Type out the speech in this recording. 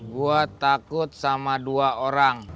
gue takut sama dua orang